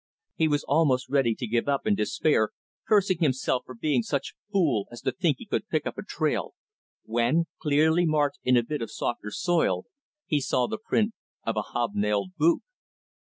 He was almost ready to give up in despair, cursing himself for being such a fool as to think that he could pick up a trail, when, clearly marked in a bit of softer soil, he saw the print of a hob nailed boot.